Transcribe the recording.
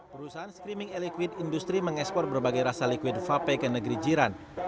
perusahaan streaming elektrid industri mengekspor berbagai rasa liquid vape ke negeri jiran